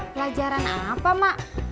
pelajaran apa emak